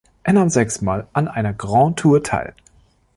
Er nahm sechsmal an einer Grand Tour teil.